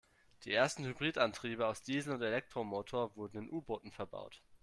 Die ersten Hybridantriebe aus Diesel- und Elektromotor wurden in U-Booten verbaut.